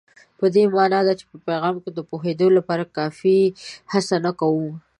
په دې مانا ده چې په پیغام د پوهېدو لپاره کافي هڅه نه کوو.